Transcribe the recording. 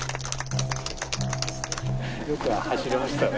よく走れましたね。